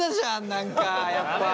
何かやっぱ。